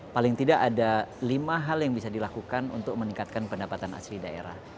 paling tidak ada lima hal yang bisa dilakukan untuk meningkatkan pendapatan asli daerah